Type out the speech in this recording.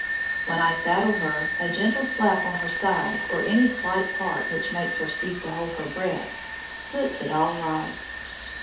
When I saddle her a gentle slap on her side, or any slight start which makes her cease to hold her breath, puts it all right.